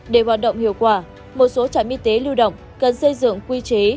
để hoạt động hiệu quả một số trạm y tế lưu động cần xây dựng quy chế